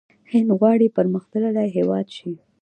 هند غواړي پرمختللی هیواد شي.